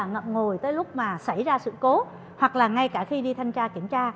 đừng có để là ngập ngùi tới lúc mà xảy ra sự cố hoặc là ngay cả khi đi thanh tra kiểm tra